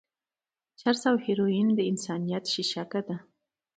چرس او هيروين د انسانيت شېشکه ده.